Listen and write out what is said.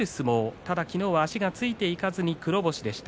ただ昨日は足がついていかずに黒星でした。